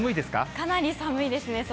かなり寒いですね、外。